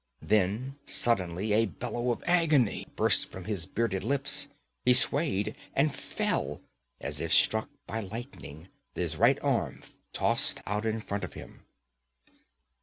Then suddenly a bellow of agony burst from his bearded lips; he swayed and fell as if struck by lightning, his right arm tossed out in front of him.